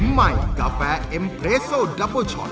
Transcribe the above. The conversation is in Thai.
ใหม่กาแฟเอ็มเรสโซนดับเบอร์ช็อต